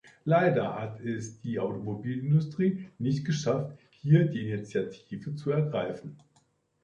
Leider hat es die Automobilindustrie nicht geschafft, hier die Initiative zu ergreifen.